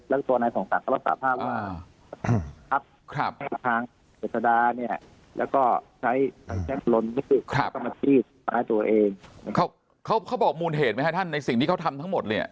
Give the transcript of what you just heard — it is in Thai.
แล้วก็ตัวนายของศักดิ์เขารักษาภาพอ่าครับทางศักดิ์ศักดิ์เนี่ย